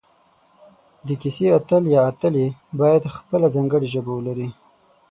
د کیسې اتل یا اتلې باید خپله ځانګړي ژبه ولري